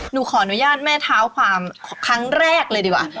หนูขออนุญาตแม่เท้าความครั้งแรกเลยดีกว่า